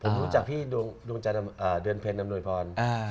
ผมรู้จักพี่ดวงเดือนเพ็ญอำนวยพร